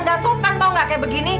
gasutan tau gak kaya begini